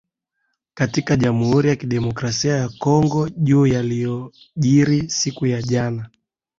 katika jamhuri ya kidemokrasia ya congo juu ya yaliojiri siku ya jana